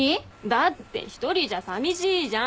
だって１人じゃさみしいじゃん！